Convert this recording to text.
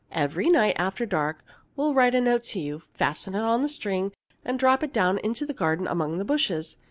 Every night, after dark, we'll write a note to you, fasten it to the string, and drop it down into the garden among the bushes.